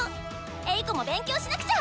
エイコも勉強しなくちゃ！